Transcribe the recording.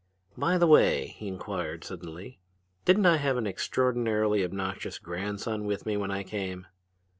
"By the way," he inquired suddenly, "didn't I have an extraordinarily obnoxious grandson with me when I came?"